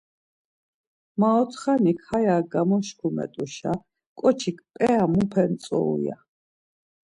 Maotxanik, haya gamoşkumet̆uşa ǩoçik p̌ia mupe ntzoru, ya.